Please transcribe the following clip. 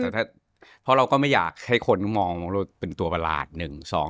เพราะเราก็ไม่อยากให้คนมองว่าเป็นตัวประหลาด๑๒